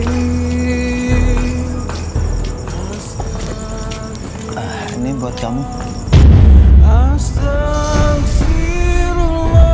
ini buat kamu